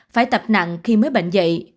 phải tập nặng khi mới bệnh dậy